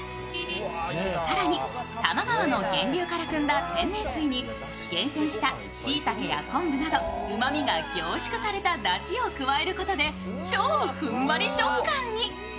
更に多摩川の源流からくんだ天然水に厳選したしいたけやこんぶなどうまみが凝縮されただしを加えることで超ふんわり食感に。